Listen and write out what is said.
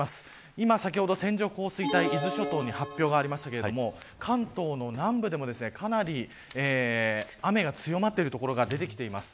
今先ほど線状降水帯伊豆諸島で発表がありましたが関東の南部でもかなり雨が強まっている所が出てきています。